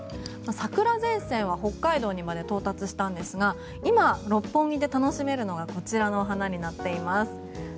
桜前線は北海道にまで到達したんですが今、六本木で楽しめるのがこちらの花になっています。